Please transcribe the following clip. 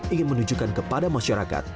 ingin menunjukkan kepada masyarakat